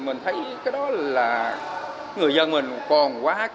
mình thấy cái đó là người dân mình còn quá